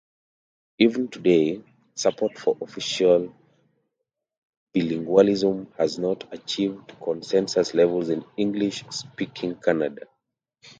Even today, support for official bilingualism has not achieved consensus levels in English-speaking Canada.